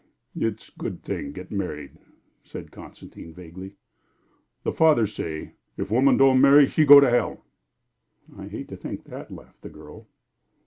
"It's good thing get marry!" said Constantine, vaguely. "The Father say if woman don' marry she go to hell." "I'd hate to think that," laughed the girl.